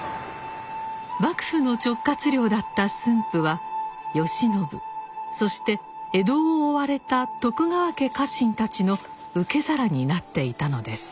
幕府の直轄領だった駿府は慶喜そして江戸を追われた徳川家家臣たちの受け皿になっていたのです。